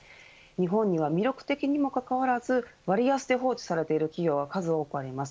日本には魅力的にもかかわらず割安で放置されている企業が数多くあります。